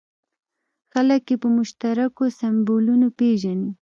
خلک یې په مشترکو سیمبولونو پېژني.